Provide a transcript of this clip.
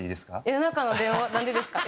「夜中の電話」なんでですか？